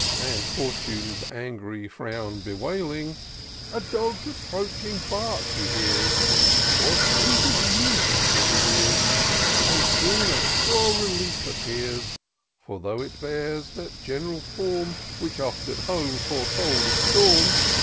And Fortune's angry frown bewailing, A dog's approaching bark he hears ; 'Twas sweet as music to his ears. And soon a sure relief appears ; For, tho' it bore that gen'ral form. Which oft, at home, foretold a storm.